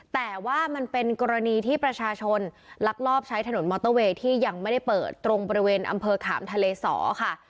แต่ว่ามันเป็นกรณีที่ประชาชนลักลอบใช้ถนนมอเตอร์เวย์ที่ยังไม่ได้เปิดตรงบริเวณอำเภอขามทะเลสอค่ะ